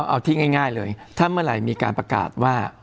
เอาที่ง่ายเลยถ้าเมื่อไหร่มีการประกาศว่า